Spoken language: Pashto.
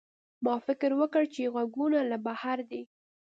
ما فکر وکړ چې غږونه له بهر دي.